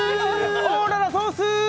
オーロラソース！